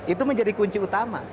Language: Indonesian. itu menjadi kunci utama